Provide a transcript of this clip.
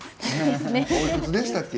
おいくつでしたっけ？